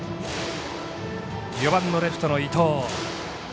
４番のレフトの伊藤。